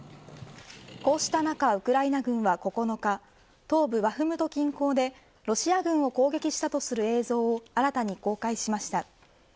こうした中、ウクライナ軍は９日東部バフムト近郊でロシア軍を攻撃したとする映像を新たに公開しました。